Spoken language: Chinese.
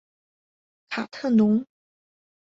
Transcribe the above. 卡特农。